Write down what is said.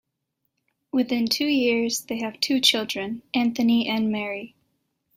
Within two years, they have two children, Anthony and Mary.